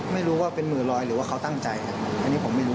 ไม่รู้ว่าเป็นหมื่นรอยหรือว่าเขาตั้งใจอันนี้ผมไม่รู้